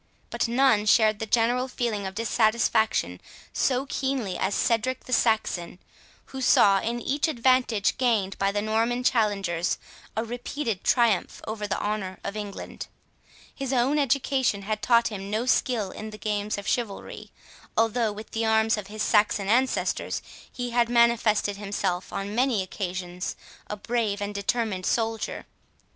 But none shared the general feeling of dissatisfaction so keenly as Cedric the Saxon, who saw, in each advantage gained by the Norman challengers, a repeated triumph over the honour of England. His own education had taught him no skill in the games of chivalry, although, with the arms of his Saxon ancestors, he had manifested himself, on many occasions, a brave and determined soldier.